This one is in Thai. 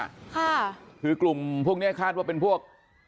ค่ะคือกลุ่มพวกเนี้ยคาดว่าเป็นพวก